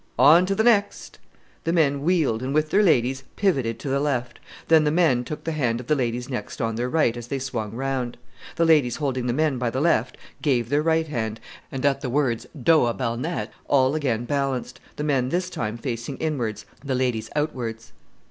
"On to the next!" The men wheeled, and with their ladies pivoted to the left; then the men took the hand of the ladies next on their right as they swung round. The ladies holding the men by the left gave their right hand, and at the words "dos à balnette," all again balanced the men this time facing inwards, the ladies outwards.